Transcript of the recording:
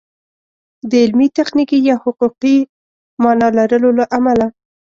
د علمي، تخنیکي یا حقوقي مانا لرلو له امله